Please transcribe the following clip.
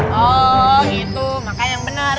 oh gitu makanya yang bener